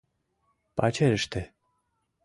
Пачерыште.